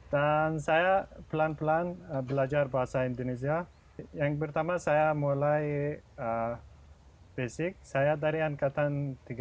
dan saya pelan pelan belajar bahasa indonesia yang pertama saya mulai basic saya dari angkatan tiga puluh dua